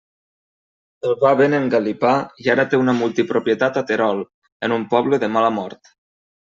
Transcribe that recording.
El va ben engalipar i ara té una multipropietat a Terol, en un poble de mala mort.